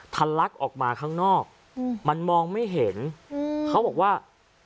ลักออกมาข้างนอกมันมองไม่เห็นอืมเขาบอกว่า